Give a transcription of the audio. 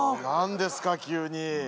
何ですか急に。